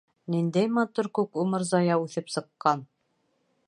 Ниндәй матур күк Умырзая үҫеп сыҡҡан.